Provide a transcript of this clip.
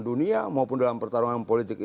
dunia maupun dalam pertarungan politik